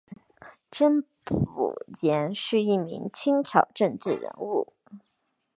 甄辅廷是一名清朝政治人物。